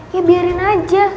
ya biarin aja